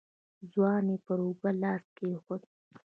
ځوان يې پر اوږه لاس کېښود.